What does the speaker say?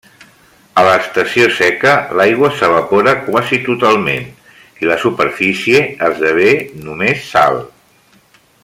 A l'estació seca l'aigua s'evapora quasi totalment i la superfície esdevé només sal.